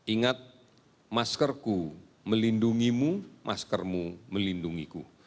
ingat maskerku melindungimu maskermu melindungiku